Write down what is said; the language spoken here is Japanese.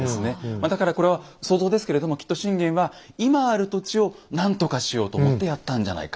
まあだからこれは想像ですけれどもきっと信玄は今ある土地を何とかしようと思ってやったんじゃないかなと。